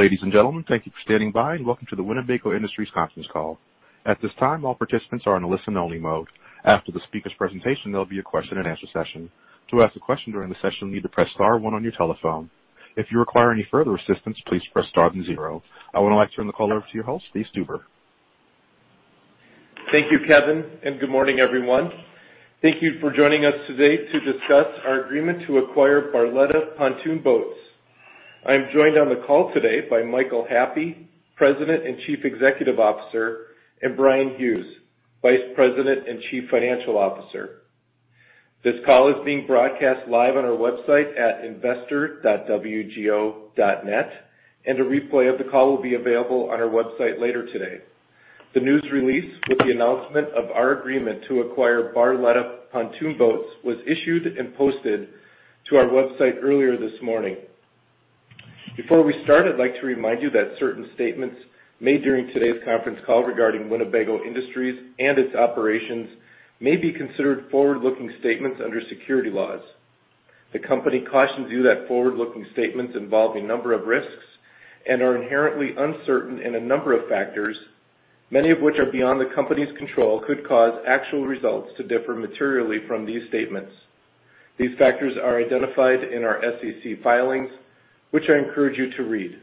Ladies and gentlemen, thank you for standing by and welcome to the Winnebago Industries conference call. At this time, all participants are in a listen-only mode. After the speakers' presentation, there'll be a question-and-answer session. To ask a question during the session, you'll need to press star one on your telephone. If you require any further assistance, please press star then zero. I would now like to turn the call over to your host, Steve Stuber. Thank you, Kevin. Good morning, everyone. Thank you for joining us today to discuss our agreement to acquire Barletta Pontoon Boats. I'm joined on the call today by Michael Happe, President and Chief Executive Officer, and Bryan Hughes, Vice President and Chief Financial Officer. This call is being broadcast live on our website at investor.wgo.net, and a replay of the call will be available on our website later today. The news release with the announcement of our agreement to acquire Barletta Pontoon Boats was issued and posted to our website earlier this morning. Before we start, I'd like to remind you that certain statements made during today's conference call regarding Winnebago Industries and its operations may be considered forward-looking statements under securities laws. The company cautions you that forward-looking statements involve a number of risks and are inherently uncertain in a number of factors, many of which are beyond the company's control could cause actual results to differ materially from these statements. These factors are identified in our SEC filings, which I encourage you to read.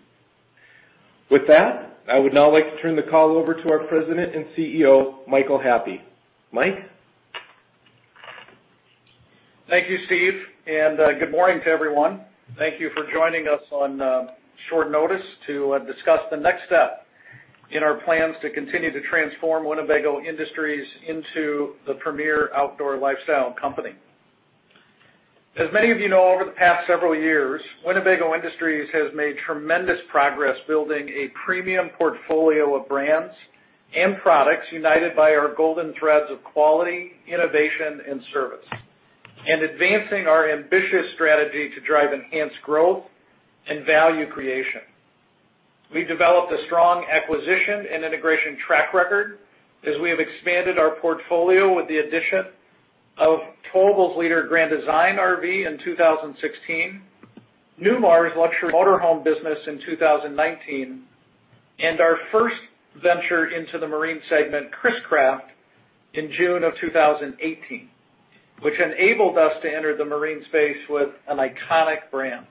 With that, I would now like to turn the call over to our President and CEO, Michael Happe. Mike? Thank you, Steve. Good morning to everyone. Thank you for joining us on short notice to discuss the next step in our plans to continue to transform Winnebago Industries into the premier outdoor lifestyle company. As many of you know, over the past several years, Winnebago Industries has made tremendous progress building a premium portfolio of brands and products united by our golden threads of quality, innovation, and service, and advancing our ambitious strategy to drive enhanced growth and value creation. We developed a strong acquisition and integration track record as we have expanded our portfolio with the addition of towables leader Grand Design RV in 2016, Newmar's luxury motorhome business in 2019, and our first venture into the marine segment, Chris-Craft, in June of 2018, which enabled us to enter the marine space with an iconic brand.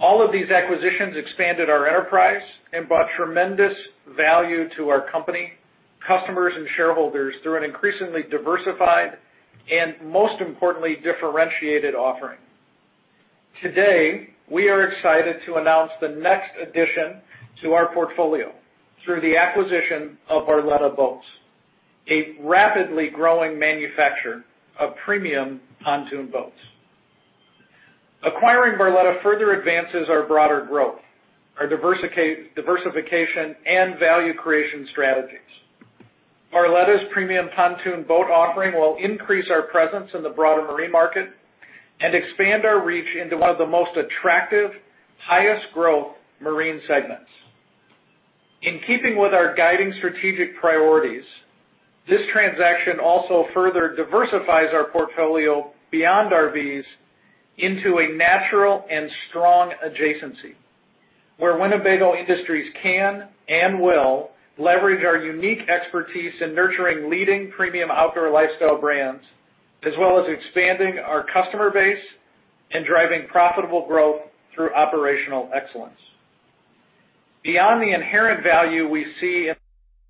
All of these acquisitions expanded our enterprise and brought tremendous value to our company, customers, and shareholders through an increasingly diversified and most importantly, differentiated offering. Today, we are excited to announce the next addition to our portfolio through the acquisition of Barletta Boats, a rapidly growing manufacturer of premium pontoon boats. Acquiring Barletta further advances our broader growth, our diversification, and value creation strategies. Barletta's premium pontoon boat offering will increase our presence in the broader marine market and expand our reach into one of the most attractive, highest-growth marine segments. In keeping with our guiding strategic priorities, this transaction also further diversifies our portfolio beyond RVs into a natural and strong adjacency, where Winnebago Industries can and will leverage our unique expertise in nurturing leading premium outdoor lifestyle brands, as well as expanding our customer base and driving profitable growth through operational excellence. Beyond the inherent value we see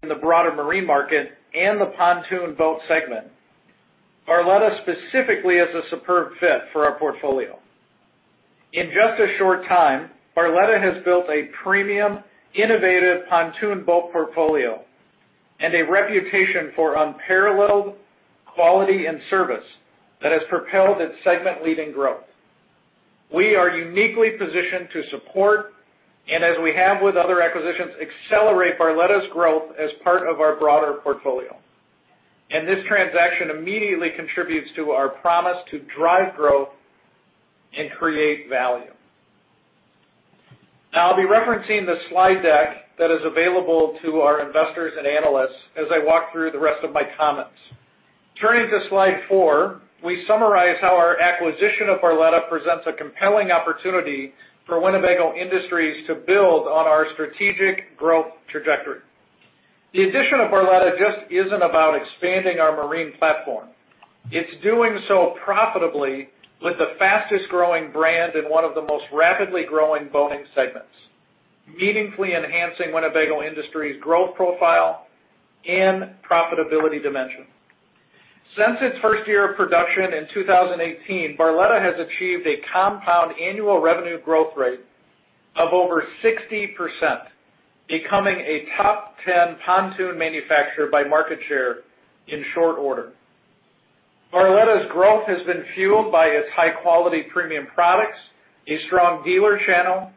in the broader marine market and the pontoon boat segment, Barletta specifically is a superb fit for our portfolio. In just a short time, Barletta has built a premium, innovative pontoon boat portfolio and a reputation for unparalleled quality and service that has propelled its segment-leading growth. We are uniquely positioned to support, and as we have with other acquisitions, accelerate Barletta's growth as part of our broader portfolio. This transaction immediately contributes to our promise to drive growth and create value. Now, I'll be referencing the slide deck that is available to our investors and analysts as I walk through the rest of my comments. Turning to slide four, we summarize how our acquisition of Barletta presents a compelling opportunity for Winnebago Industries to build on our strategic growth trajectory. The addition of Barletta just isn't about expanding our marine platform. It's doing so profitably with the fastest-growing brand in one of the most rapidly growing boating segments, meaningfully enhancing Winnebago Industries' growth profile and profitability dimension. Since its first year of production in 2018, Barletta has achieved a compound annual revenue growth rate of over 60%, becoming a top 10 pontoon manufacturer by market share in short order. Barletta's growth has been fueled by its high-quality premium products, a strong dealer channel,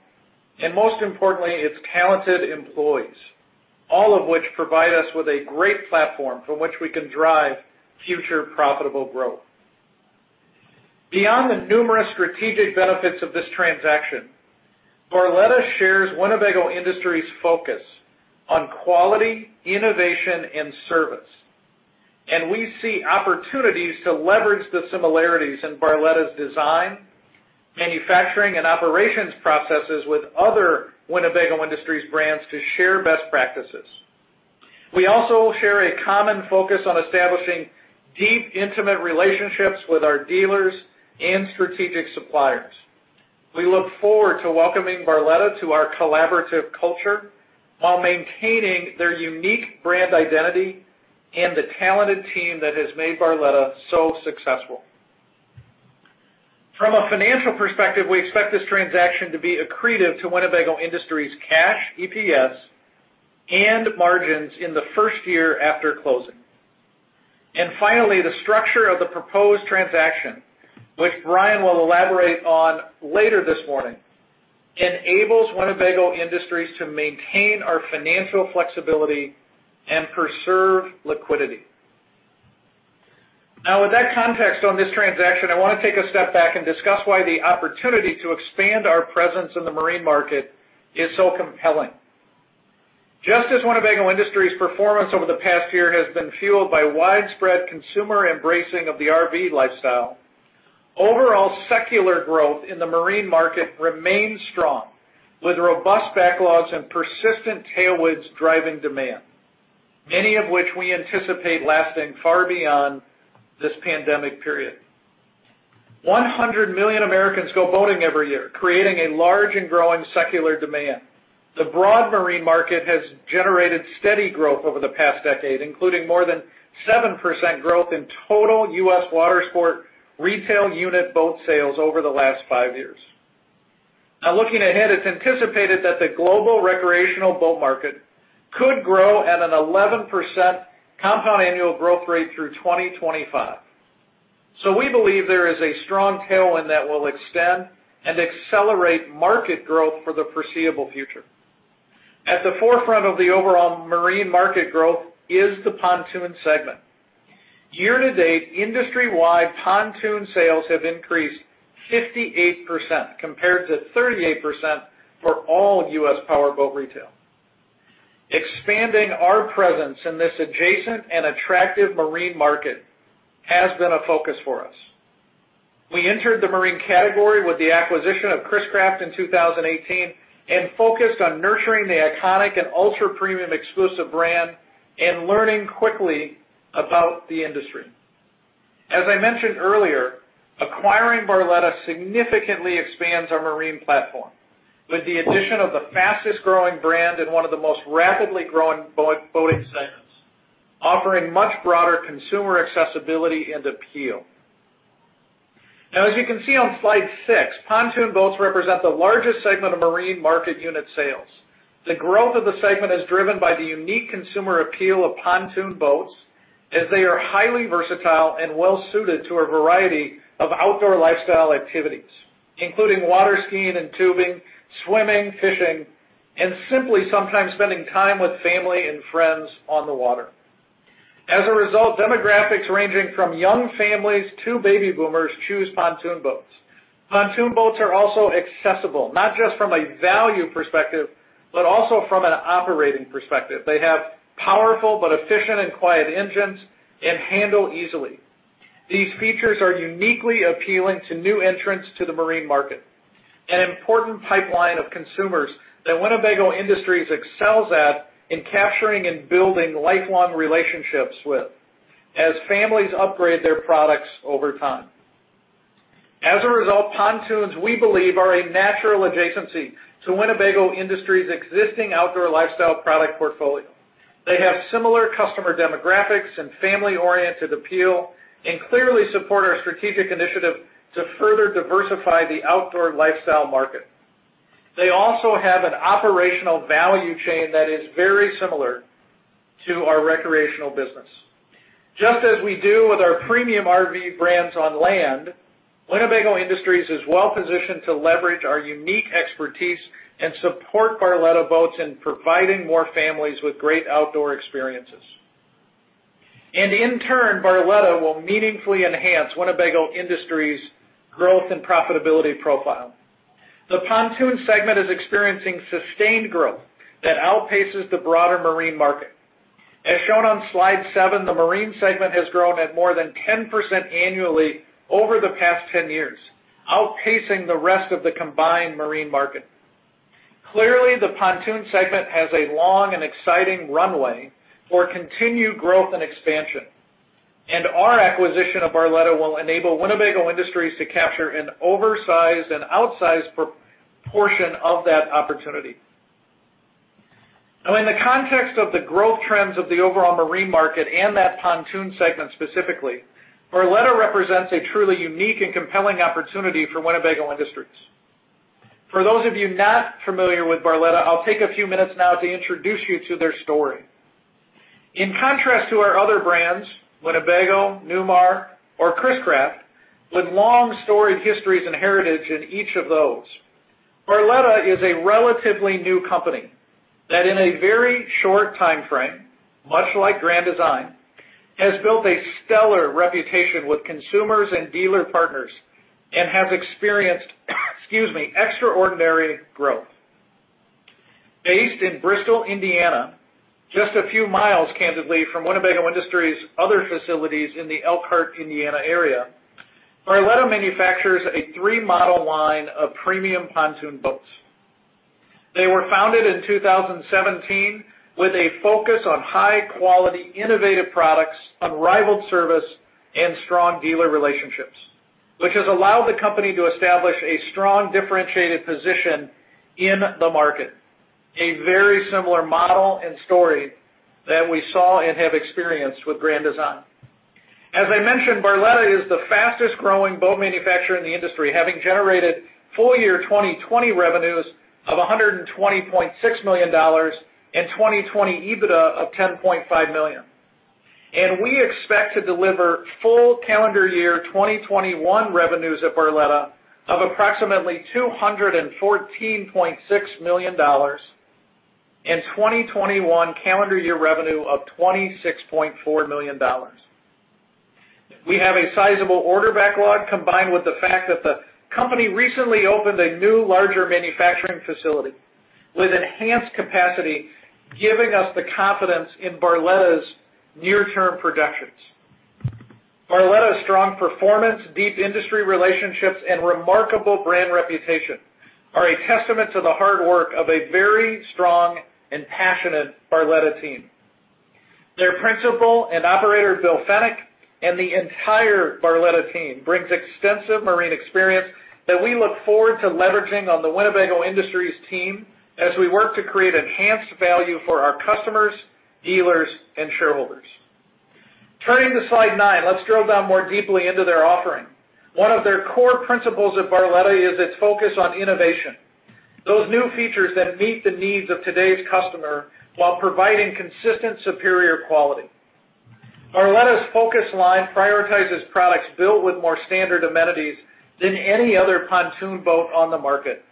and most importantly, its talented employees, all of which provide us with a great platform from which we can drive future profitable growth. Beyond the numerous strategic benefits of this transaction, Barletta shares Winnebago Industries' focus on quality, innovation, and service. We see opportunities to leverage the similarities in Barletta's design, manufacturing, and operations processes with other Winnebago Industries brands to share best practices. We also share a common focus on establishing deep, intimate relationships with our dealers and strategic suppliers. We look forward to welcoming Barletta to our collaborative culture while maintaining their unique brand identity and the talented team that has made Barletta so successful. From a financial perspective, we expect this transaction to be accretive to Winnebago Industries' cash EPS and margins in the first year after closing. Finally, the structure of the proposed transaction, which Bryan will elaborate on later this morning, enables Winnebago Industries to maintain our financial flexibility and preserve liquidity. With that context on this transaction, I want to take a step back and discuss why the opportunity to expand our presence in the marine market is so compelling. Just as Winnebago Industries' performance over the past year has been fueled by widespread consumer embracing of the RV lifestyle, overall secular growth in the marine market remains strong, with robust backlogs and persistent tailwinds driving demand, many of which we anticipate lasting far beyond this pandemic period. 100 million Americans go boating every year, creating a large and growing secular demand. The broad marine market has generated steady growth over the past decade, including more than 7% growth in total U.S. water sport retail unit boat sales over the last five years. Looking ahead, it's anticipated that the global recreational boat market could grow at an 11% compound annual growth rate through 2025. We believe there is a strong tailwind that will extend and accelerate market growth for the foreseeable future. At the forefront of the overall marine market growth is the pontoon segment. Year-to-date, industry-wide pontoon sales have increased 58%, compared to 38% for all U.S. powerboat retail. Expanding our presence in this adjacent and attractive marine market has been a focus for us. We entered the marine category with the acquisition of Chris-Craft in 2018 and focused on nurturing the iconic and ultra-premium exclusive brand and learning quickly about the industry. As I mentioned earlier, acquiring Barletta significantly expands our marine platform with the addition of the fastest-growing brand in one of the most rapidly growing boating segments, offering much broader consumer accessibility and appeal. Now, as you can see on slide six, pontoon boats represent the largest segment of marine market unit sales. The growth of the segment is driven by the unique consumer appeal of pontoon boats, as they are highly versatile and well-suited to a variety of outdoor lifestyle activities, including water skiing and tubing, swimming, fishing, and simply sometimes spending time with family and friends on the water. As a result, demographics ranging from young families to baby boomers choose pontoon boats. Pontoon boats are also accessible, not just from a value perspective, but also from an operating perspective. They have powerful but efficient and quiet engines and handle easily. These features are uniquely appealing to new entrants to the marine market, an important pipeline of consumers that Winnebago Industries excels at in capturing and building lifelong relationships with as families upgrade their products over time. As a result, pontoons, we believe, are a natural adjacency to Winnebago Industries' existing outdoor lifestyle product portfolio. They have similar customer demographics and family-oriented appeal. Clearly support our strategic initiative to further diversify the outdoor lifestyle market. They also have an operational value chain that is very similar to our recreational business. Just as we do with our premium RV brands on land, Winnebago Industries is well-positioned to leverage our unique expertise and support Barletta Boats in providing more families with great outdoor experiences. In turn, Barletta will meaningfully enhance Winnebago Industries' growth and profitability profile. The pontoon segment is experiencing sustained growth that outpaces the broader marine market. As shown on slide seven, the marine segment has grown at more than 10% annually over the past 10 years, outpacing the rest of the combined marine market. Clearly, the pontoon segment has a long and exciting runway for continued growth and expansion. Our acquisition of Barletta will enable Winnebago Industries to capture an oversized and outsized portion of that opportunity. Now, in the context of the growth trends of the overall marine market and that pontoon segment specifically, Barletta represents a truly unique and compelling opportunity for Winnebago Industries. For those of you not familiar with Barletta, I'll take a few minutes now to introduce you to their story. In contrast to our other brands, Winnebago, Newmar, or Chris-Craft, with long storied histories and heritage in each of those, Barletta is a relatively new company that in a very short time frame, much like Grand Design, has built a stellar reputation with consumers and dealer partners and has experienced, excuse me, extraordinary growth. Based in Bristol, Indiana, just a few miles, candidly, from Winnebago Industries' other facilities in the Elkhart, Indiana area, Barletta manufactures a three-model line of premium pontoon boats. They were founded in 2017 with a focus on high-quality, innovative products, unrivaled service, and strong dealer relationships, which has allowed the company to establish a strong, differentiated position in the market. A very similar model and story that we saw and have experienced with Grand Design. As I mentioned, Barletta is the fastest-growing boat manufacturer in the industry, having generated full year 2020 revenues of $120.6 million and 2020 EBITDA of $10.5 million. We expect to deliver full calendar year 2021 revenues at Barletta of approximately $214.6 million and 2021 calendar year revenue of $26.4 million. We have a sizable order backlog, combined with the fact that the company recently opened a new, larger manufacturing facility with enhanced capacity, giving us the confidence in Barletta's near-term projections. Barletta's strong performance, deep industry relationships, and remarkable brand reputation are a testament to the hard work of a very strong and passionate Barletta team. Their Principal and Operator, Bill Fenech, and the entire Barletta team brings extensive marine experience that we look forward to leveraging on the Winnebago Industries team as we work to create enhanced value for our customers, dealers, and shareholders. Turning to slide nine, let's drill down more deeply into their offering. One of their core principles at Barletta is its focus on innovation, those new features that meet the needs of today's customer while providing consistent, superior quality. Barletta's Focus line prioritizes products built with more standard amenities than any other pontoon boat on the market.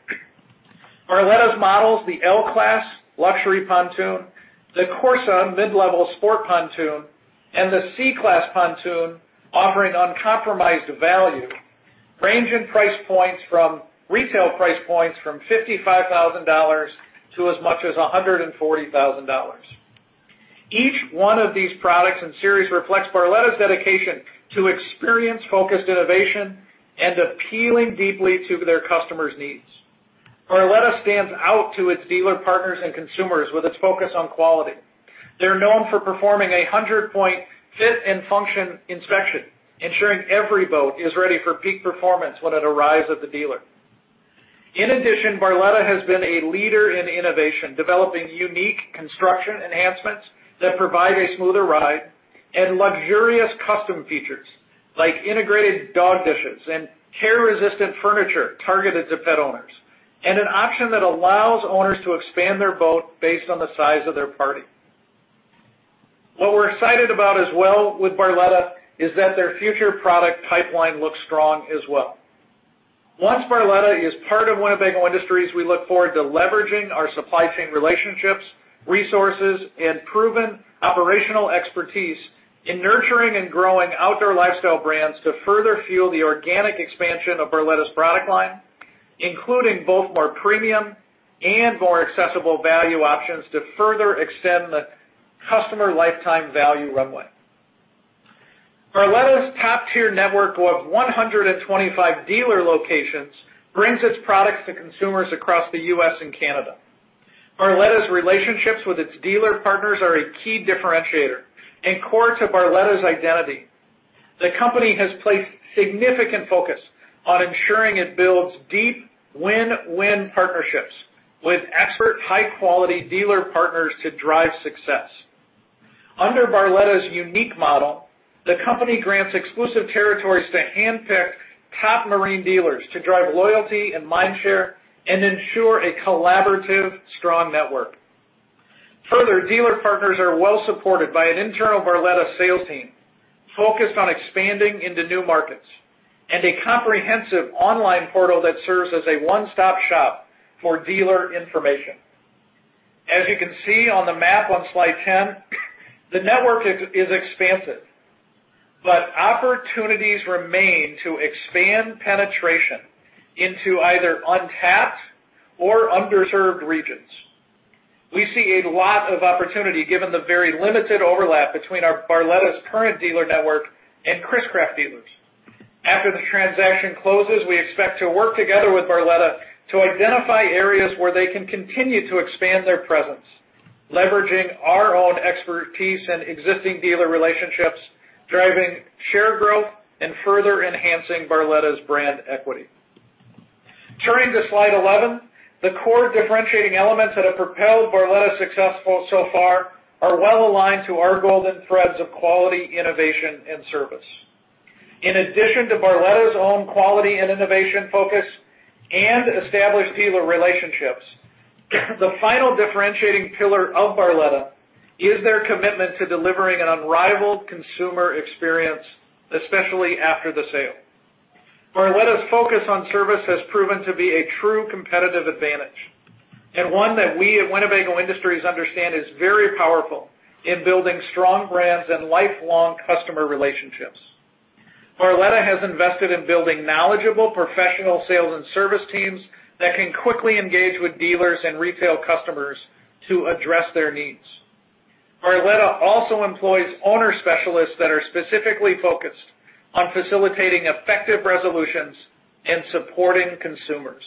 Barletta's models, the L-Class luxury pontoon, the Corsa mid-level sport pontoon, and the C-Class pontoon, offering uncompromised value, range in retail price points from $55,000 to as much as $140,000. Each one of these products and series reflects Barletta's dedication to experience-focused innovation and appealing deeply to their customers' needs. Barletta stands out to its dealer partners and consumers with its focus on quality. They're known for performing a 100-point fit and function inspection, ensuring every boat is ready for peak performance when it arrives at the dealer. In addition, Barletta has been a leader in innovation, developing unique construction enhancements that provide a smoother ride and luxurious custom features like integrated dog dishes and tear-resistant furniture targeted to pet owners, and an option that allows owners to expand their boat based on the size of their party. What we're excited about as well with Barletta is that their future product pipeline looks strong as well. Once Barletta is part of Winnebago Industries, we look forward to leveraging our supply chain relationships, resources, and proven operational expertise in nurturing and growing outdoor lifestyle brands to further fuel the organic expansion of Barletta's product line, including both more premium and more accessible value options to further extend the customer lifetime value runway. Barletta's top-tier network of 125 dealer locations brings its products to consumers across the U.S. and Canada. Barletta's relationships with its dealer partners are a key differentiator and core to Barletta's identity. The company has placed significant focus on ensuring it builds deep win-win partnerships with expert, high-quality dealer partners to drive success. Under Barletta's unique model, the company grants exclusive territories to handpick top marine dealers to drive loyalty and mind share and ensure a collaborative, strong network. Further, dealer partners are well-supported by an internal Barletta sales team focused on expanding into new markets and a comprehensive online portal that serves as a one-stop shop for dealer information. As you can see on the map on slide 10, the network is expansive, but opportunities remain to expand penetration into either untapped or underserved regions. We see a lot of opportunity given the very limited overlap between Barletta's current dealer network and Chris-Craft dealers. After the transaction closes, we expect to work together with Barletta to identify areas where they can continue to expand their presence, leveraging our own expertise and existing dealer relationships, driving share growth, and further enhancing Barletta's brand equity. Turning to slide 11, the core differentiating elements that have propelled Barletta's success so far are well-aligned to our golden threads of quality, innovation, and service. In addition to Barletta's own quality and innovation focus and established dealer relationships, the final differentiating pillar of Barletta is their commitment to delivering an unrivaled consumer experience, especially after the sale. Barletta's focus on service has proven to be a true competitive advantage, and one that we at Winnebago Industries understand is very powerful in building strong brands and lifelong customer relationships. Barletta has invested in building knowledgeable professional sales and service teams that can quickly engage with dealers and retail customers to address their needs. Barletta also employs owner specialists that are specifically focused on facilitating effective resolutions and supporting consumers.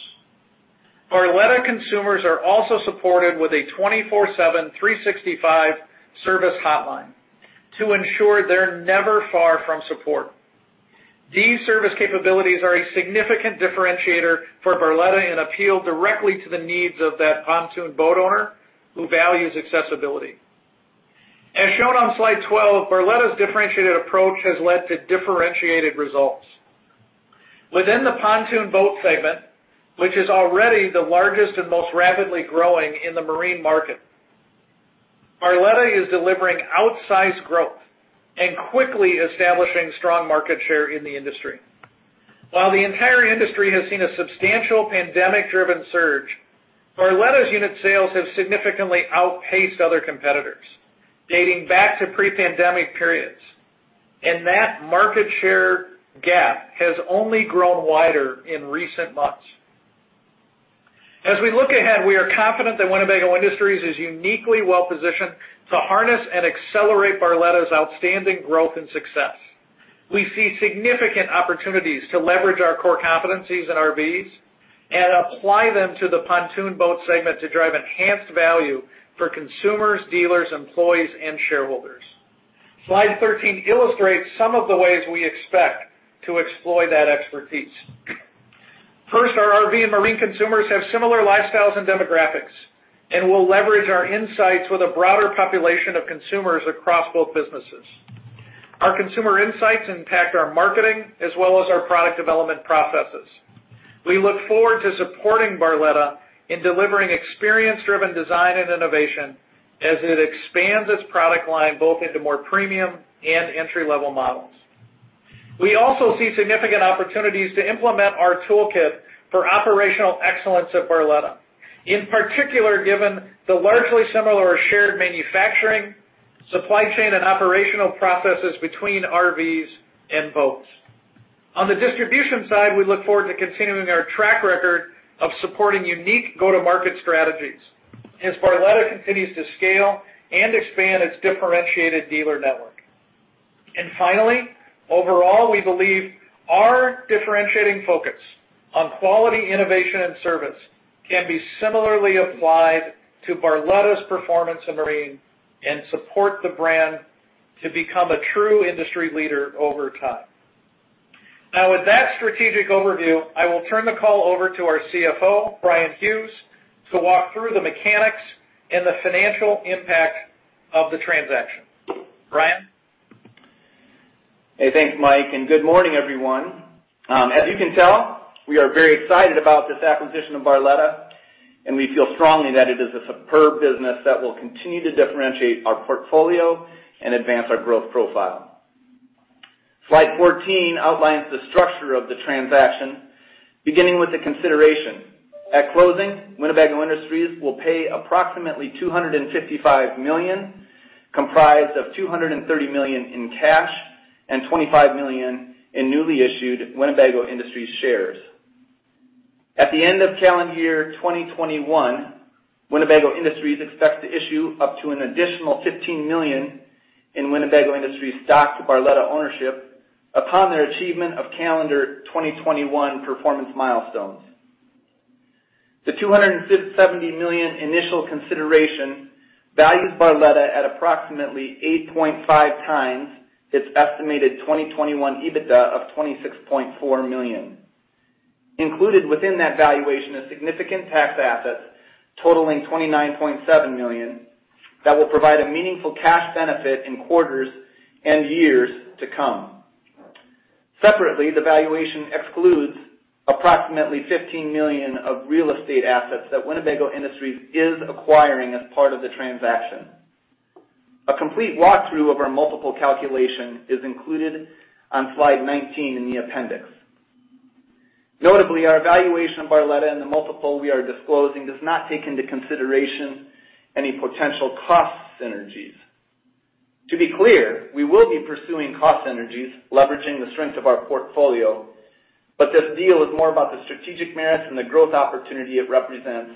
Barletta consumers are also supported with a 24/7, 365 service hotline to ensure they're never far from support. These service capabilities are a significant differentiator for Barletta and appeal directly to the needs of that pontoon boat owner who values accessibility. As shown on slide 12, Barletta's differentiated approach has led to differentiated results. Within the pontoon boat segment, which is already the largest and most rapidly growing in the marine market, Barletta is delivering outsized growth and quickly establishing strong market share in the industry. While the entire industry has seen a substantial pandemic-driven surge, Barletta's unit sales have significantly outpaced other competitors, dating back to pre-pandemic periods, and that market share gap has only grown wider in recent months. As we look ahead, we are confident that Winnebago Industries is uniquely well-positioned to harness and accelerate Barletta's outstanding growth and success. We see significant opportunities to leverage our core competencies in RVs and apply them to the pontoon boat segment to drive enhanced value for consumers, dealers, employees, and shareholders. Slide 13 illustrates some of the ways we expect to exploit that expertise. First, our RV and marine consumers have similar lifestyles and demographics, and we'll leverage our insights with a broader population of consumers across both businesses. Our consumer insights impact our marketing as well as our product development processes. We look forward to supporting Barletta in delivering experience-driven design and innovation as it expands its product line, both into more premium and entry-level models. We also see significant opportunities to implement our toolkit for operational excellence at Barletta. In particular, given the largely similar or shared manufacturing, supply chain, and operational processes between RVs and boats. On the distribution side, we look forward to continuing our track record of supporting unique go-to-market strategies as Barletta continues to scale and expand its differentiated dealer network. Finally, overall, we believe our differentiating focus on quality, innovation, and service can be similarly applied to Barletta's performance in marine and support the brand to become a true industry leader over time. Now, with that strategic overview, I will turn the call over to our CFO, Bryan Hughes, to walk through the mechanics and the financial impact of the transaction. Bryan? Hey, thanks, Mike, and good morning, everyone. As you can tell, we are very excited about this acquisition of Barletta, and we feel strongly that it is a superb business that will continue to differentiate our portfolio and advance our growth profile. Slide 14 outlines the structure of the transaction, beginning with the consideration. At closing, Winnebago Industries will pay approximately $255 million, comprised of $230 million in cash and $25 million in newly issued Winnebago Industries shares. At the end of calendar year 2021, Winnebago Industries expects to issue up to an additional $15 million in Winnebago Industries stock to Barletta ownership upon their achievement of calendar 2021 performance milestones. The $270 million initial consideration values Barletta at approximately 8.5x its estimated 2021 EBITDA of $26.4 million. Included within that valuation is significant tax assets totaling $29.7 million that will provide a meaningful cash benefit in quarters and years to come. Separately, the valuation excludes approximately $15 million of real estate assets that Winnebago Industries is acquiring as part of the transaction. A complete walkthrough of our multiple calculation is included on slide 19 in the appendix. Notably, our valuation of Barletta and the multiple we are disclosing does not take into consideration any potential cost synergies. To be clear, we will be pursuing cost synergies, leveraging the strength of our portfolio, but this deal is more about the strategic merits and the growth opportunity it represents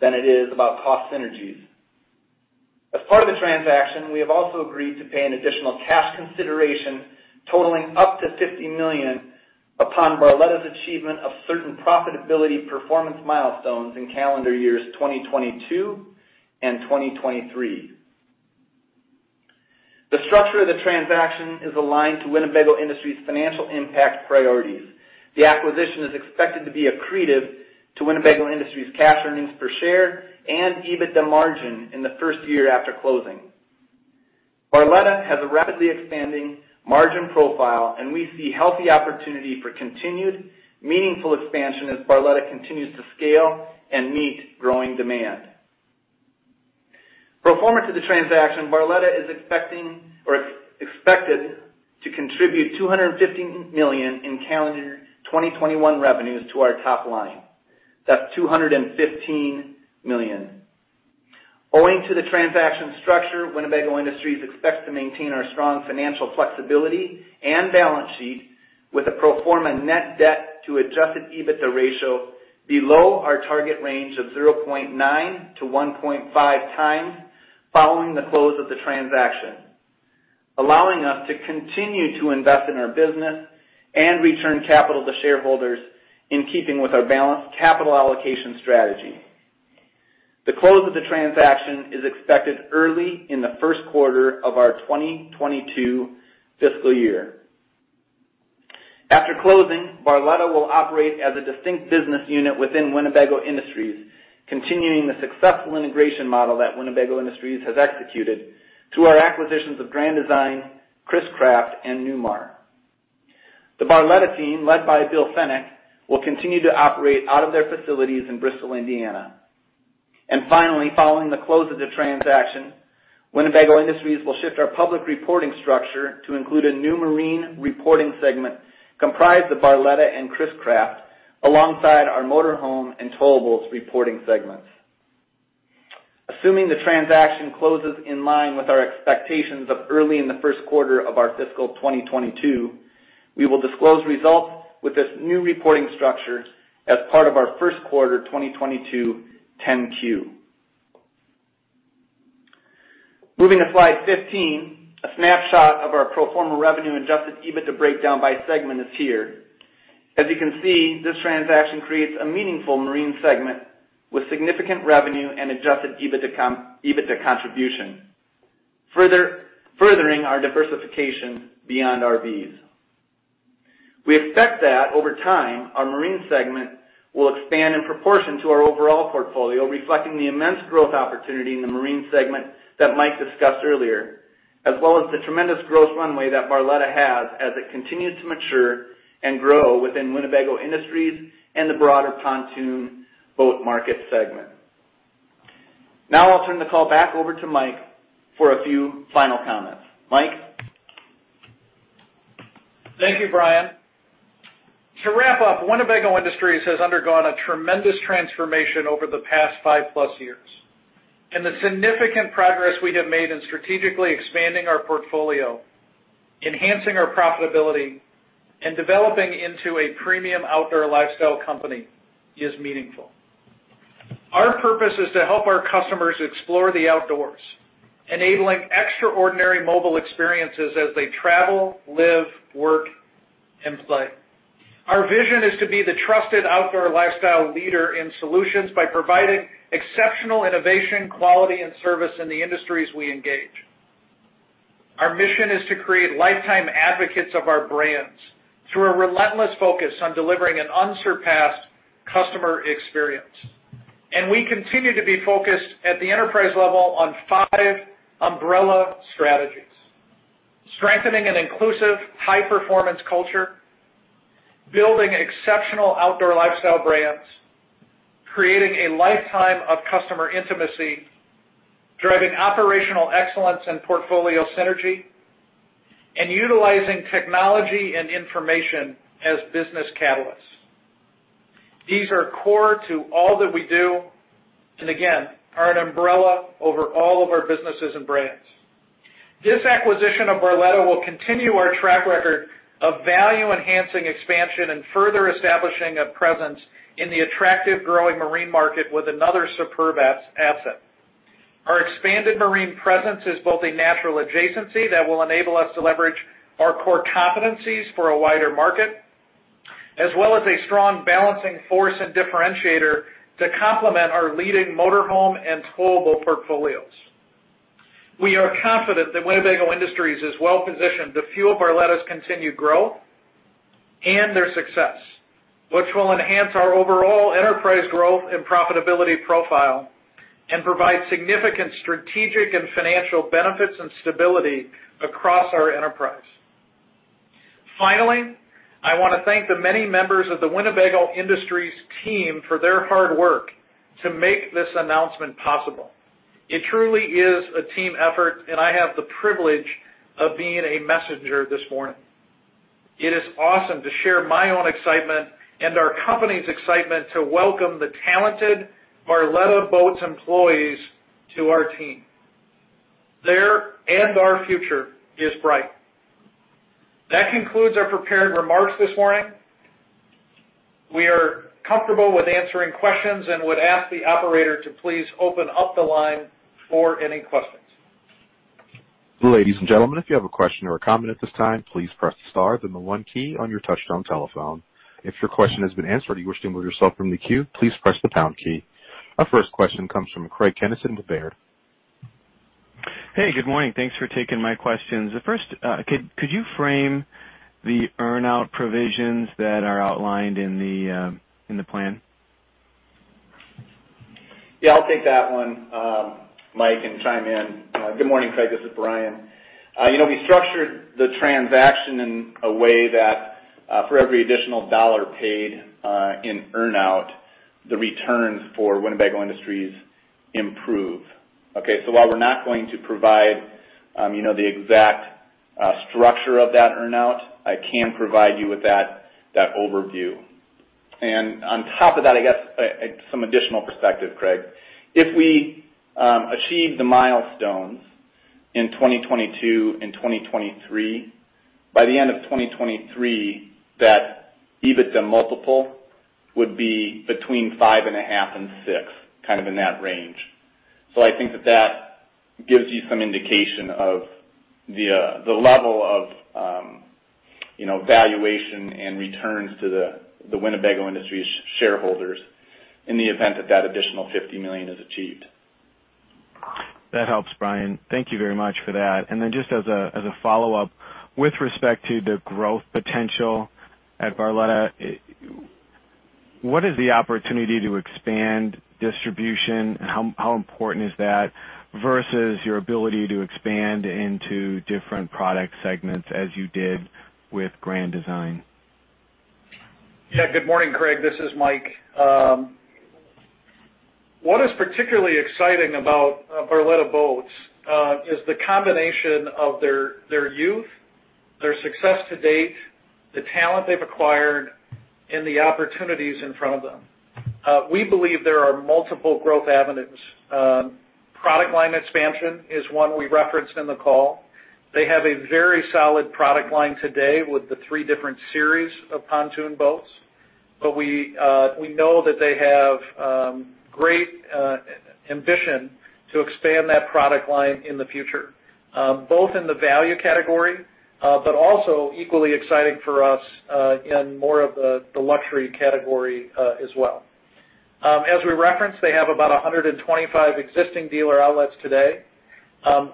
than it is about cost synergies. As part of the transaction, we have also agreed to pay an additional cash consideration totaling up to $50 million upon Barletta's achievement of certain profitability performance milestones in calendar years 2022 and 2023. The structure of the transaction is aligned to Winnebago Industries' financial impact priorities. The acquisition is expected to be accretive to Winnebago Industries' cash earnings per share and EBITDA margin in the first year after closing. Barletta has a rapidly expanding margin profile, and we see healthy opportunity for continued meaningful expansion as Barletta continues to scale and meet growing demand. Pro forma to the transaction, Barletta is expected to contribute $215 million in calendar 2021 revenues to our top line. Owing to the transaction structure, Winnebago Industries expects to maintain our strong financial flexibility and balance sheet with a pro forma net debt-to-adjusted EBITDA ratio below our target range of 0.9x to 1.5x following the close of the transaction, allowing us to continue to invest in our business and return capital to shareholders in keeping with our balanced capital allocation strategy. The close of the transaction is expected early in the first quarter of our 2022 fiscal year. After closing, Barletta will operate as a distinct business unit within Winnebago Industries, continuing the successful integration model that Winnebago Industries has executed through our acquisitions of Grand Design, Chris-Craft, and Newmar. The Barletta team, led by Bill Fenech, will continue to operate out of their facilities in Bristol, Indiana. Finally, following the close of the transaction, Winnebago Industries will shift our public reporting structure to include a new marine reporting segment comprised of Barletta and Chris-Craft alongside our motorhome and towables reporting segments. Assuming the transaction closes in line with our expectations of early in the first quarter of our fiscal 2022, we will disclose results with this new reporting structure as part of our first quarter 2022 10-Q. Moving to slide 15, a snapshot of our pro forma revenue adjusted EBITDA breakdown by segment is here. As you can see, this transaction creates a meaningful marine segment with significant revenue and adjusted EBITDA contribution, furthering our diversification beyond RVs. We expect that over time, our marine segment will expand in proportion to our overall portfolio, reflecting the immense growth opportunity in the marine segment that Mike discussed earlier, as well as the tremendous growth runway that Barletta has as it continues to mature and grow within Winnebago Industries and the broader pontoon boat market segment. I'll turn the call back over to Mike for a few final comments. Mike? Thank you, Bryan. To wrap up, Winnebago Industries has undergone a tremendous transformation over the past five-plus years, and the significant progress we have made in strategically expanding our portfolio, enhancing our profitability, and developing into a premium outdoor lifestyle company is meaningful. Our purpose is to help our customers explore the outdoors, enabling extraordinary mobile experiences as they travel, live, work, and play. Our vision is to be the trusted outdoor lifestyle leader in solutions by providing exceptional innovation, quality, and service in the industries we engage. Our mission is to create lifetime advocates of our brands through a relentless focus on delivering an unsurpassed customer experience. We continue to be focused at the enterprise level on five umbrella strategies: strengthening an inclusive high-performance culture, building exceptional outdoor lifestyle brands, creating a lifetime of customer intimacy, driving operational excellence and portfolio synergy, and utilizing technology and information as business catalysts. These are core to all that we do and again, are an umbrella over all of our businesses and brands. This acquisition of Barletta will continue our track record of value-enhancing expansion and further establishing a presence in the attractive growing marine market with another superb asset. Our expanded marine presence is both a natural adjacency that will enable us to leverage our core competencies for a wider market, as well as a strong balancing force and differentiator to complement our leading motor home and towable portfolios. We are confident that Winnebago Industries is well positioned to fuel Barletta's continued growth and their success, which will enhance our overall enterprise growth and profitability profile and provide significant strategic and financial benefits and stability across our enterprise. Finally, I want to thank the many members of the Winnebago Industries team for their hard work to make this announcement possible. It truly is a team effort, and I have the privilege of being a messenger this morning. It is awesome to share my own excitement and our company's excitement to welcome the talented Barletta Boats employees to our team. Their and our future is bright. That concludes our prepared remarks this morning. We are comfortable with answering questions and would ask the operator to please open up the line for any questions. Ladies and gentlemen, if you have a question or a comment at this time, please press star then the one key on your touch-tone telephone. If your question has been answered or you wish to remove yourself from the queue, please press the pound key. Our first question comes from Craig Kennison with Baird. Hey, good morning. Thanks for taking my questions. The first, could you frame the earn-out provisions that are outlined in the plan? Yeah, I'll take that one, Mike, and chime in. Good morning, Craig, this is Bryan. We structured the transaction in a way that for every additional dollar paid in earn-out, the returns for Winnebago Industries improve. Okay? While we're not going to provide the exact structure of that earn-out, I can provide you with that overview. On top of that, I guess, some additional perspective, Craig. If we achieve the milestones in 2022 and 2023, by the end of 2023, that EBITDA multiple would be between 5.5x and 6x, kind of in that range. I think that gives you some indication of the level of valuation and returns to the Winnebago Industries shareholders in the event that additional $50 million is achieved. That helps, Bryan. Thank you very much for that. Just as a follow-up, with respect to the growth potential at Barletta, what is the opportunity to expand distribution and how important is that versus your ability to expand into different product segments as you did with Grand Design? Yeah. Good morning, Craig. This is Mike. What is particularly exciting about Barletta Boats is the combination of their youth, their success-to-date, the talent they've acquired, and the opportunities in front of them. We believe there are multiple growth avenues. Product line expansion is one we referenced in the call. They have a very solid product line today with the three different series of pontoon boats. We know that they have great ambition to expand that product line in the future, both in the value category, but also equally exciting for us, in more of the luxury category as well. As we referenced, they have about 125 existing dealer outlets today.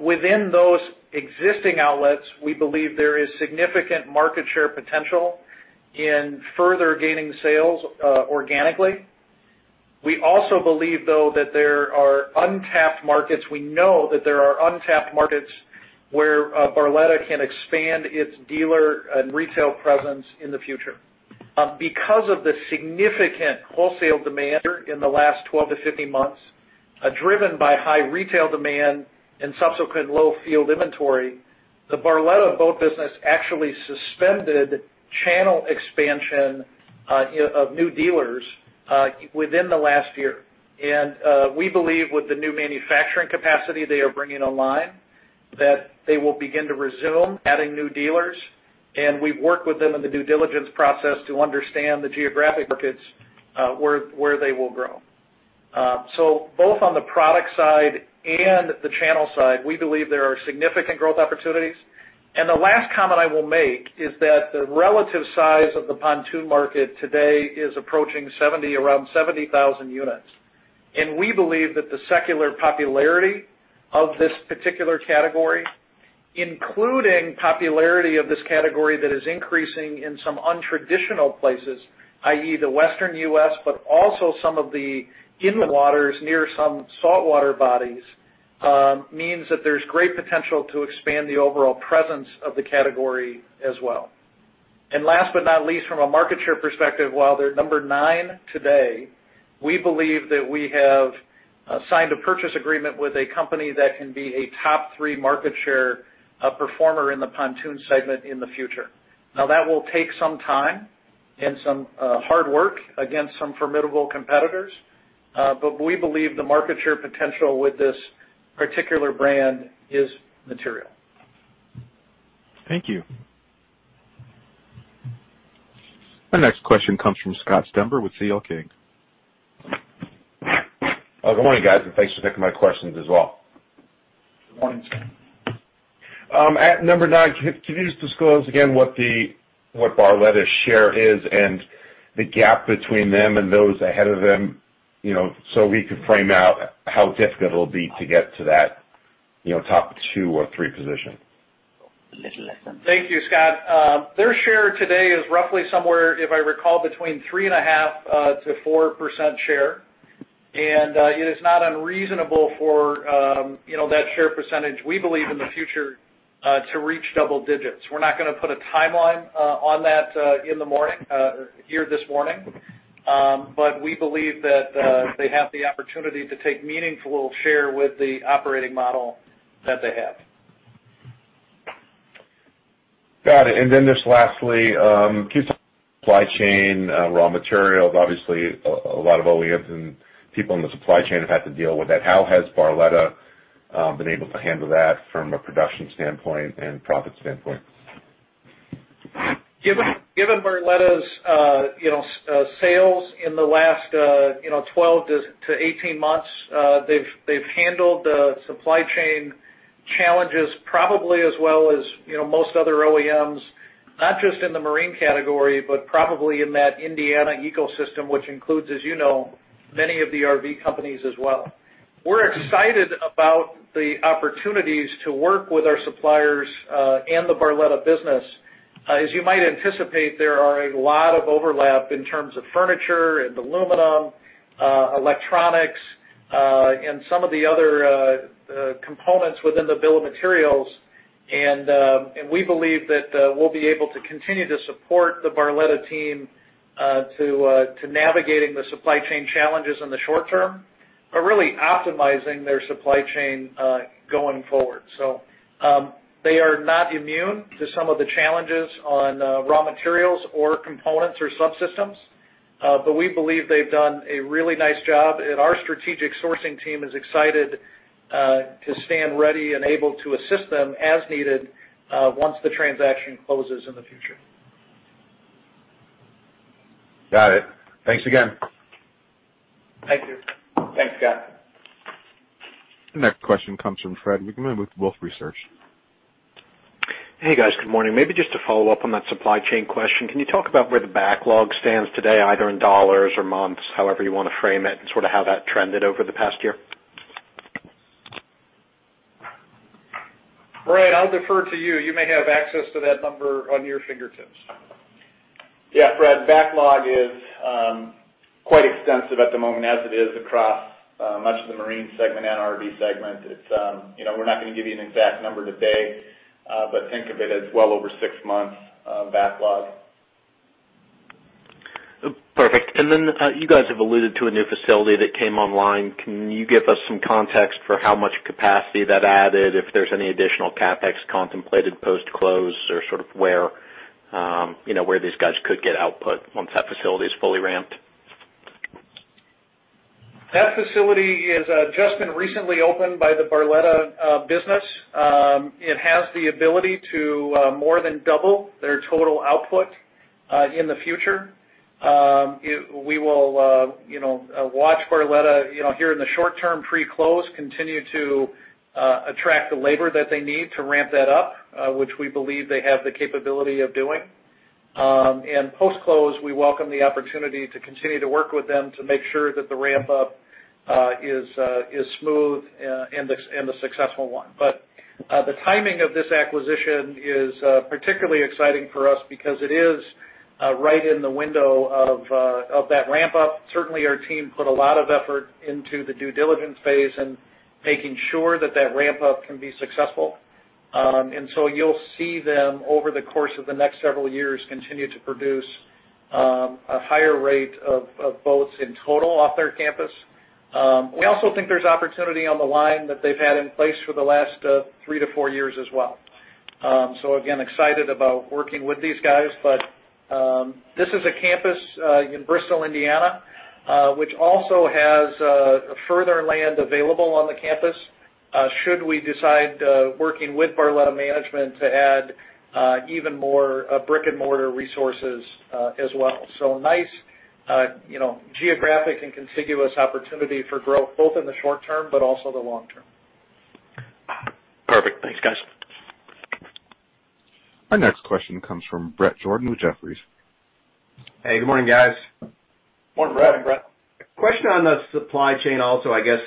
Within those existing outlets, we believe there is significant market share potential in further gaining sales organically. We also believe, though, that there are untapped markets. We know that there are untapped markets where Barletta can expand its dealer and retail presence in the future. Because of the significant wholesale demand in the last 12-15 months, driven by high retail demand and subsequent low field inventory, the Barletta boat business actually suspended channel expansion of new dealers within the last year. We believe with the new manufacturing capacity they are bringing online, that they will begin to resume adding new dealers. We've worked with them in the due diligence process to understand the geographic markets where they will grow. Both on the product side and the channel side, we believe there are significant growth opportunities. The last comment I will make is that the relative size of the pontoon market today is approaching around 70,000 units. We believe that the secular popularity of this particular category, including popularity of this category that is increasing in some untraditional places, i.e. the Western U.S., but also some of the inland waters near some saltwater bodies, means that there's great potential to expand the overall presence of the category as well. Last but not least, from a market share perspective, while they're number nine today, we believe that we have signed a purchase agreement with a company that can be a top three market share performer in the pontoon segment in the future. Now, that will take some time and some hard work against some formidable competitors, but we believe the market share potential with this particular brand is material. Thank you. Our next question comes from Scott Stember with C.L. King. Good morning, guys. Thanks for taking my questions as well. Good morning, Scott. At number nine, can you just disclose again what Barletta's share is and the gap between them and those ahead of them, so we could frame out how difficult it'll be to get to that top two or three position? Thank you, Scott. Their share today is roughly somewhere, if I recall, between 3.5%-4% share. It is not unreasonable for that share percentage, we believe, in the future, to reach double digits. We're not going to put a timeline on that here this morning. We believe that they have the opportunity to take meaningful share with the operating model that they have. Got it. Just lastly, can you supply chain raw materials, obviously, a lot of OEMs and people in the supply chain have had to deal with that. How has Barletta been able to handle that from a production standpoint and profit standpoint? Given Barletta's sales in the last 12-18 months, they've handled the supply chain challenges probably as well as most other OEMs, not just in the marine category, but probably in that Indiana ecosystem, which includes, as you know, many of the RV companies as well. We're excited about the opportunities to work with our suppliers and the Barletta business. As you might anticipate, there are a lot of overlap in terms of furniture, in aluminum, electronics, and some of the other components within the bill of materials. We believe that we'll be able to continue to support the Barletta team to navigating the supply chain challenges in the short term and really optimizing their supply chain going forward. They are not immune to some of the challenges on raw materials or components or subsystems, but we believe they've done a really nice job, and our strategic sourcing team is excited to stand ready and able to assist them as needed once the transaction closes in the future. Got it. Thanks again. Thank you. Thanks, Scott. The next question comes from Fred Wightman with Wolfe Research. Hey, guys. Good morning. Maybe just to follow up on that supply chain question, can you talk about where the backlog stands today, either in dollars or months, however you want to frame it, and sort of how that trended over the past year? Bryan, I'll defer to you. You may have access to that number on your fingertips. Fred, backlog is quite extensive at the moment as it is across much of the marine segment and RV segment. We're not going to give you an exact number today, but think of it as well over six months backlog. Perfect. Then you guys have alluded to a new facility that came online. Can you give us some context for how much capacity that added, if there's any additional CapEx contemplated post-close, or sort of where these guys could get output once that facility is fully ramped? That facility has just been recently opened by Barletta. It has the ability to more than double their total output in the future. We will watch Barletta here in the short term pre-close continue to attract the labor that they need to ramp that up, which we believe they have the capability of doing. Post-close, we welcome the opportunity to continue to work with them to make sure that the ramp-up is smooth and a successful one. The timing of this acquisition is particularly exciting for us because it is right in the window of that ramp-up. Certainly, our team put a lot of effort into the due diligence phase and making sure that ramp-up can be successful. So you'll see them, over the course of the next several years, continue to produce a higher rate of boats in total off their campus. We also think there's opportunity on the line that they've had in place for the last 3 to 4 years as well. Again, excited about working with these guys. This is a campus in Bristol, Indiana, which also has further land available on the campus should we decide, working with Barletta management, to add even more brick-and-mortar resources as well. Nice geographic and contiguous opportunity for growth, both in the short term but also the long term. Perfect. Thanks, guys. Our next question comes from Bret Jordan with Jefferies. Hey, good morning, guys. Morning, Bret. Morning, Bret. Question on the supply chain also, I guess,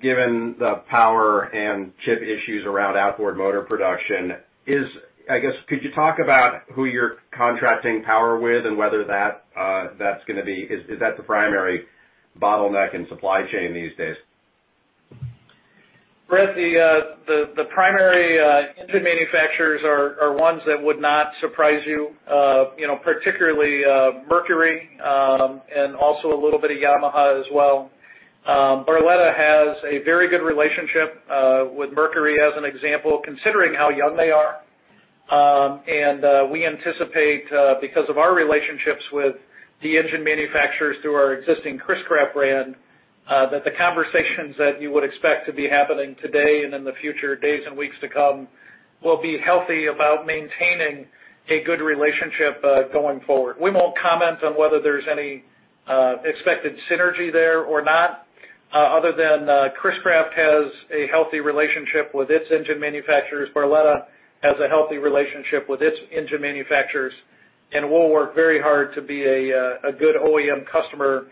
given the power and chip issues around outboard motor production. I guess, could you talk about who you're contracting power with and is that the primary bottleneck in supply chain these days? Bret, the primary engine manufacturers are ones that would not surprise you. Particularly Mercury, and also a little bit of Yamaha as well. Barletta has a very good relationship with Mercury, as an example, considering how young they are. We anticipate, because of our relationships with the engine manufacturers through our existing Chris-Craft brand, that the conversations that you would expect to be happening today and in the future, days and weeks to come, will be healthy about maintaining a good relationship going forward. We won't comment on whether there's any expected synergy there or not, other than Chris-Craft has a healthy relationship with its engine manufacturers. Barletta has a healthy relationship with its engine manufacturers, and we'll work very hard to be a good OEM customer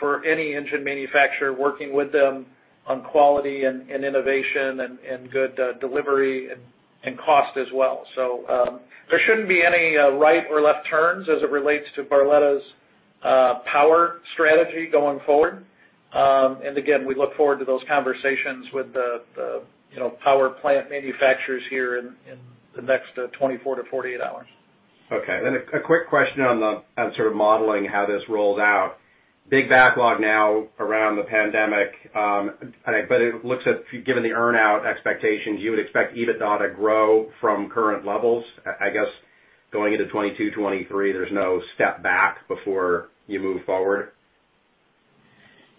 for any engine manufacturer, working with them on quality and innovation and good delivery and cost as well. There shouldn't be any right or left turns as it relates to Barletta's power strategy going forward. Again, we look forward to those conversations with the power plant manufacturers here in the next 24-48 hours. A quick question on sort of modeling how this rolls out. Big backlog now around the pandemic. It looks like, given the earn-out expectations, you would expect EBITDA to grow from current levels. I guess, going into 2022-2023, there's no step back before you move forward?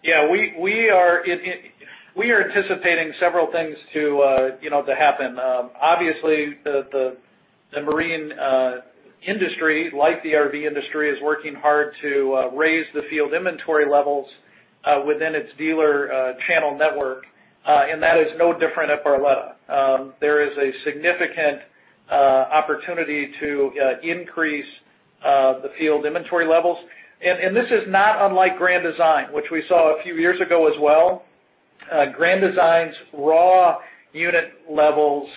Yeah. We are anticipating several things to happen. Obviously, the marine industry, like the RV industry, is working hard to raise the field inventory levels within its dealer channel network, and that is no different at Barletta. There is a significant opportunity to increase the field inventory levels. This is not unlike Grand Design, which we saw a few years ago as well. Grand Design's raw unit levels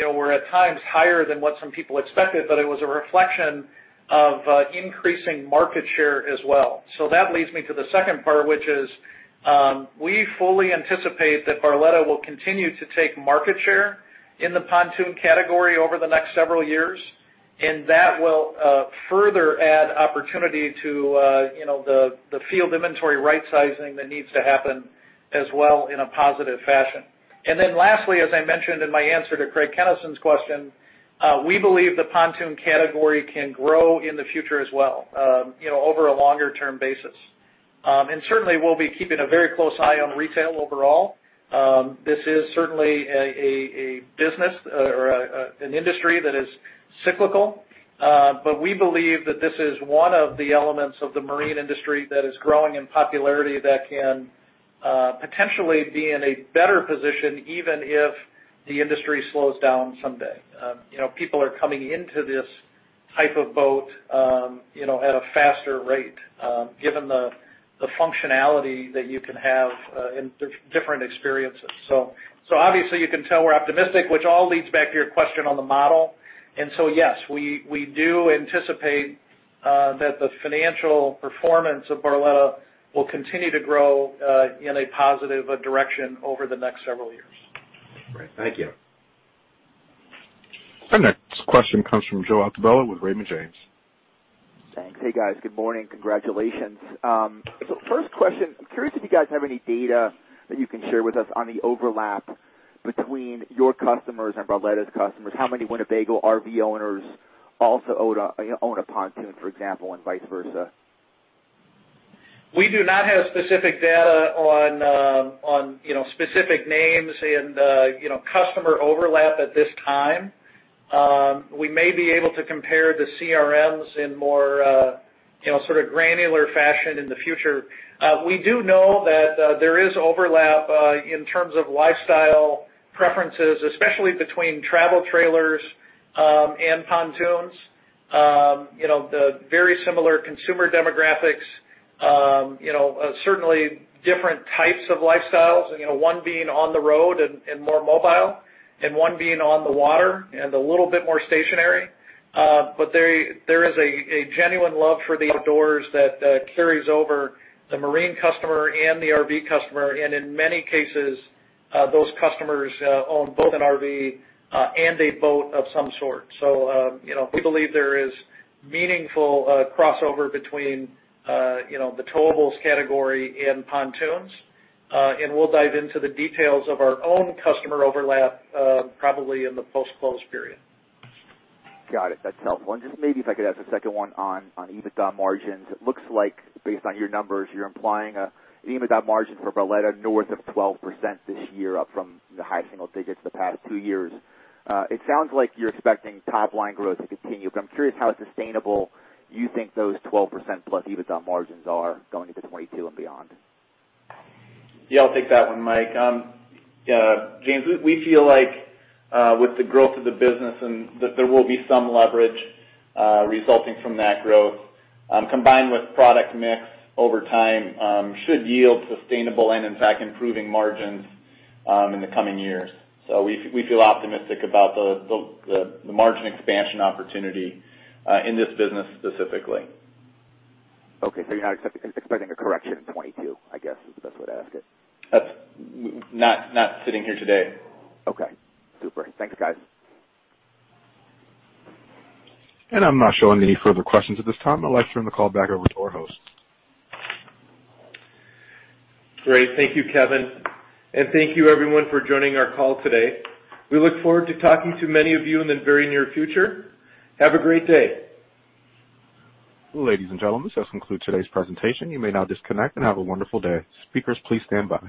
were at times higher than what some people expected, but it was a reflection of increasing market share as well. That leads me to the second part, which is we fully anticipate that Barletta will continue to take market share in the pontoon category over the next several years. That will further add opportunity to the field inventory rightsizing that needs to happen as well in a positive fashion. Lastly, as I mentioned in my answer to Craig Kennison's question, we believe the pontoon category can grow in the future as well over a longer-term basis. Certainly, we'll be keeping a very close eye on retail overall. This is certainly a business or an industry that is cyclical. We believe that this is one of the elements of the marine industry that is growing in popularity that can potentially be in a better position, even if the industry slows down someday. People are coming into this type of boat at a faster rate, given the functionality that you can have in different experiences. Obviously, you can tell we're optimistic, which all leads back to your question on the model. Yes, we do anticipate that the financial performance of Barletta will continue to grow in a positive direction over the next several years. Great. Thank you. Our next question comes from Joe Altobello with Raymond James. Thanks. Hey, guys. Good morning. Congratulations. First question, I'm curious if you guys have any data that you can share with us on the overlap between your customers and Barletta's customers. How many Winnebago RV owners also own a pontoon, for example, and vice versa? We do not have specific data on specific names and customer overlap at this time. We may be able to compare the CRMs in more granular fashion in the future. We do know that there is overlap in terms of lifestyle preferences, especially between travel trailers and pontoons. The very similar consumer demographics, certainly different types of lifestyles and one being on the road and more mobile, and one being on the water and a little bit more stationary. There is a genuine love for the outdoors that carries over the marine customer and the RV customer, and in many cases, those customers own both an RV and a boat of some sort. We believe there is meaningful crossover between the towables category and pontoons. We'll dive into the details of our own customer overlap probably in the post-close period. Got it. That's helpful. Just maybe if I could add the second one on EBITDA margins. It looks like based on your numbers, you're implying an EBITDA margin for Barletta north of 12% this year, up from the high single digits the past two years. It sounds like you're expecting top-line growth to continue, but I'm curious how sustainable you think those 12%+ EBITDA margins are going into 2022 and beyond. Yeah, I'll take that one, Mike. [James, we feel like with the growth of the business and that there will be some leverage resulting from that growth, combined with product mix over time should yield sustainable and in fact, improving margins in the coming years. We feel optimistic about the margin expansion opportunity in this business specifically. Okay. You're not expecting a correction in 2022, I guess, is the best way to ask it. Not sitting here today. Okay. Super. Thanks, guys. I'm not showing any further questions at this time. I'd like to turn the call back over to our host. Great. Thank you, Kevin. Thank you everyone for joining our call today. We look forward to talking to many of you in the very near future. Have a great day. Ladies and gentlemen, this concludes today's presentation. You may now disconnect and have a wonderful day. Speakers, please stand by.